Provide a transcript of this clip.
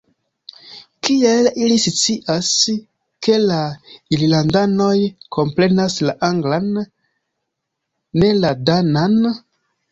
Kiel ili scias, ke la alilandanoj komprenas la anglan, ne la danan?